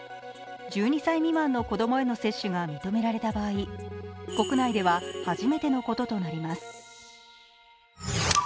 １２歳未満の子供への接種が認められた場合、国内では初めてのこととなります。